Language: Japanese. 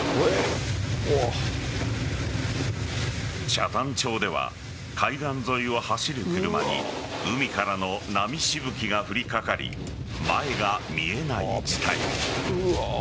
北谷町では海岸沿いを走る車に海からの波しぶきが降りかかり前が見えない事態に。